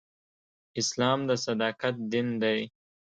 اسلام د صداقت دین دی.